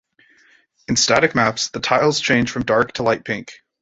In static maps, the tiles change from dark to light pink.